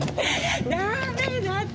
ダメだって。